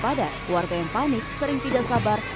pemadaman diperlukan untuk mengembangkan selang selang yang berbeda